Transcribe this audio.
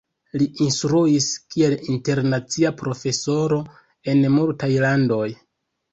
Li instruis kiel internacia profesoro en multaj landoj.